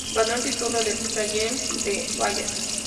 Ganó el título del Challenger de Dallas.